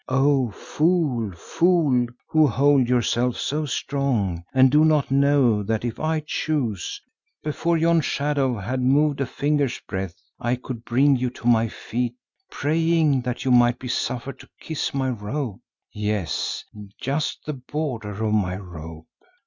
O fool, fool! who hold yourself so strong and do not know that if I chose, before yon shadow had moved a finger's breadth, I could bring you to my feet, praying that you might be suffered to kiss my robe, yes, just the border of my robe."